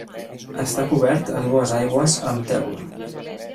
Està cobert a dues aigües amb teula.